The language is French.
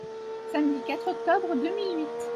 Samedi quatre octobre deux mille huit.